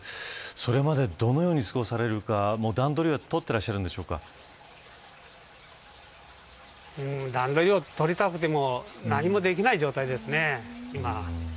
それまでどのように過ごされるか段取りとって段取りを取りたくても何もできない状態ですね、今は。